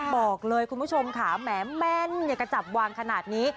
บอกเลยคุณผู้ชมค่ะแหมแม่นอย่ากระจับวางขนาดนี้